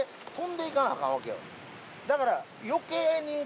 だから。